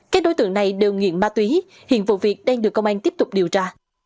các đối tượng này đều nghiện ma túy hiện vụ việc đang được công an tiếp tục điều tra